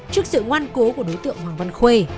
trước sự ngoan cố của đối tượng hoàng văn khuê